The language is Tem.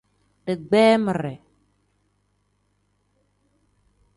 Digbamire.